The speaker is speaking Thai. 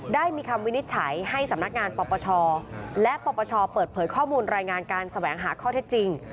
ได้มีคำวินิจฉัยให้สำนักงานปปชและปปชเปิดเผยข้อมูลรายงานการแสวงหาข้อเท็จจริง